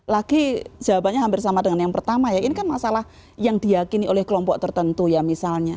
lagi jawabannya hampir sama dengan yang pertama ya ini kan masalah yang diakini oleh kelompok tertentu ya misalnya